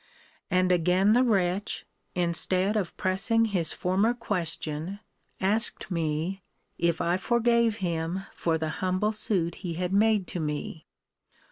And again the wretch, instead of pressing his former question, asked me, If I forgave him for the humble suit he had made to me?